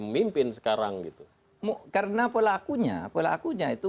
memimpin sekarang gitu karena pelakunya pelakunya itu